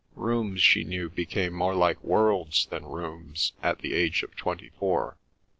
Rooms, she knew, became more like worlds than rooms at the age of twenty four.